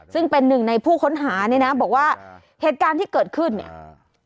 ซึ่งเป็นหนึ่งในผู้ค้นหาเนี่ยนะบอกว่าเหตุการณ์ที่เกิดขึ้นเนี่ยอ่า